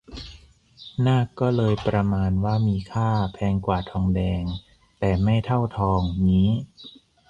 นากก็เลยประมาณว่ามีค่า แพงกว่าทองแดงแต่ไม่เท่าทองงี้